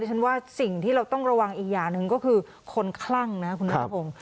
ฉันว่าสิ่งที่เราต้องระวังอีกอย่างหนึ่งก็คือคนคลั่งนะคุณนัทพงศ์